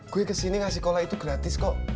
gue ke sini ngasih cola itu gratis kok